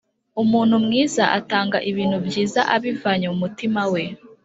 Umuntu mwiza atanga ibintu byiza abivanye mumutima we